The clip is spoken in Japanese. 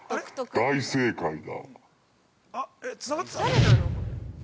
大正解だ！